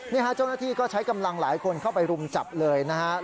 เจ้าหน้าที่ก็ใช้กำลังหลายคนเข้าไปรุมจับเลยนะครับ